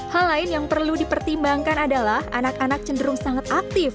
hal lain yang perlu dipertimbangkan adalah anak anak cenderung sangat aktif